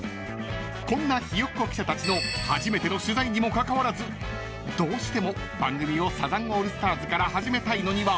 ［こんなひよっこ記者たちの初めての取材にもかかわらずどうしても番組をサザンオールスターズから始めたいのには］